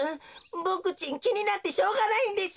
ボクちんきになってしょうがないんです。